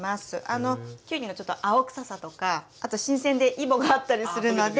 あのきゅうりのちょっと青臭さとかあと新鮮でイボがあったりするので。